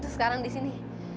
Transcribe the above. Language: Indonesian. gue pembantu sekarang disini